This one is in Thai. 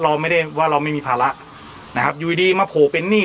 เราไม่ได้ว่าเราไม่มีภาระนะครับอยู่ดีมาโผล่เป็นหนี้